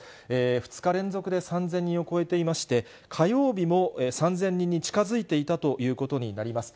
２日連続で３０００人を超えていまして、火曜日も３０００人に近づいていたということになります。